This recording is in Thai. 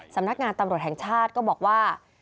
สำนักงานตำรวจแห่งชาติก็บอกว่า